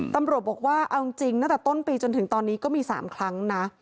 ตำรวจบอกว่าเอาจริงตั้งแต่ต้นปีจนถึงตอนนี้ก็มี๓ครั้งนะ